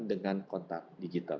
dengan kontak digital